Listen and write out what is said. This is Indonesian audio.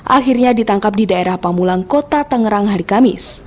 akhirnya ditangkap di daerah pamulang kota tangerang hari kamis